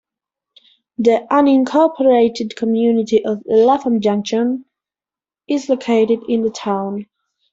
The unincorporated community of Lapham Junction is located in the town.